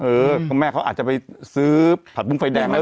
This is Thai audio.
เพราะแม่เขาอาจจะไปซื้อผัดบุ้งไฟแดงแล้ว